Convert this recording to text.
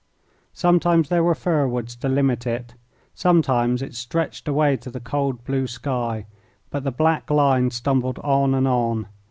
Sometimes there were fir woods to limit it, sometimes it stretched away to the cold blue sky, but the black line stumbled on and on.